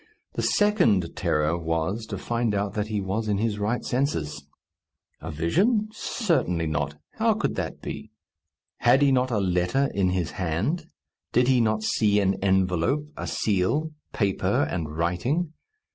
The second terror was, to find out that he was in his right senses. A vision? Certainly not. How could that be? Had he not a letter in his hand? Did he not see an envelope, a seal, paper, and writing?